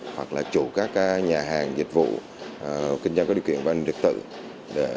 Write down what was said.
hoặc là chủ các nhà hàng dịch vụ kinh doanh có điều kiện và an ninh trật tự